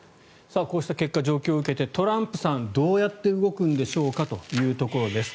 こうした結果、状況を受けてトランプさんどうやって動くんでしょうかというところです。